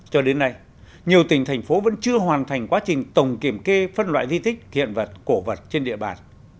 cho đến nay nhiều tỉnh thành phố vẫn chưa hoàn thành quá trình tổng kiểm kê phân loại di tích hiện vật cổ vật trên địa bàn